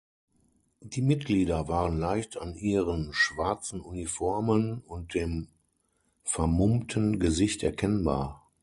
Die Mitglieder waren leicht an ihren schwarzen Uniformen und dem vermummten Gesicht erkennbar.